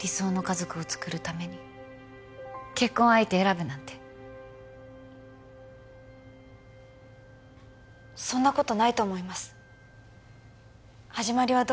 理想の家族をつくるために結婚相手選ぶなんてそんなことないと思います始まりはどう